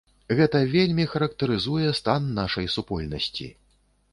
Гэта вельмі характарызуе стан нашай супольнасці.